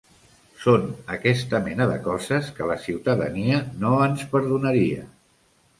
Són aquesta mena de coses que la ciutadania no ens perdonaria.